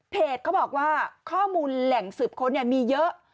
เขาบอกว่าข้อมูลแหล่งสืบค้นมีเยอะ